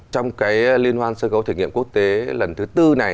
trong cái liên hoan sân khấu thể nghiệm quốc tế lần thứ tư này